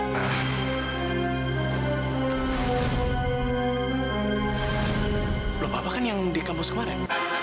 belum apa apa kan yang di kampus kemarin